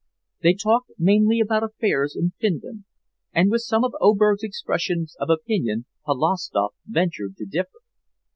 They talked mainly about affairs in Finland, and with some of Oberg's expressions of opinion Polovstoff ventured to differ.